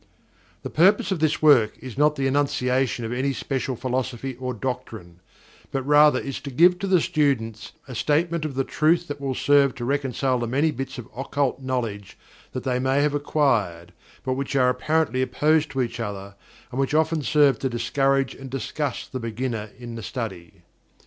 The purpose of this work is not the enunciation of any special philosophy or doctrine, but rather is to give to the students a statement of the Truth that will serve to reconcile the many bits of occult knowledge that they may have acquired, but which are apparently opposed to each other and which often serve to discourage and disgust the beginner in the study.